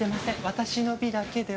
私の美だけでは。